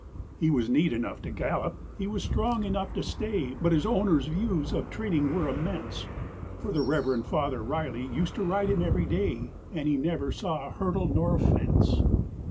He was neat enough to gallop, he was strong enough to stay! But his owner's views of training were immense, For the Reverend Father Riley used to ride him every day, And he never saw a hurdle nor a fence.